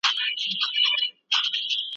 د ماشوم خوله د خوراک وروسته ومینځئ.